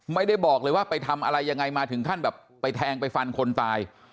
ไม่ได้บอกเลยว่าไปทำอะไรยังไงมาถึงขั้นแบบไปแทงไปฟันคนตาย